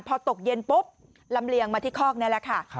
พอตกเย็นปุ๊บลำเลียงมาที่คอกนี่แหละค่ะ